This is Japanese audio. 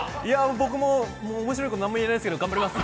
僕もおもしろいこと何にも言えないけど頑張ります。